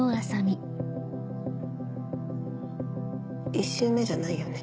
１周目じゃないよね？